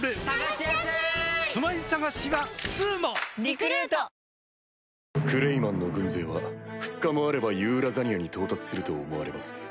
クレイマンの軍勢は２日もあればユーラザニアに到達すると思われます。